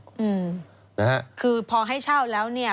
อืมนะฮะคือพอให้เช่าแล้วเนี่ย